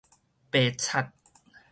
白漆